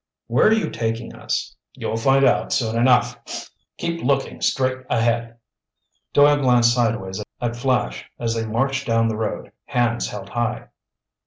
"Where are you taking us?" "You'll find out soon enough. Keep lookin' straight ahead." Doyle glanced sideways at Flash as they marched down the road, hands held high.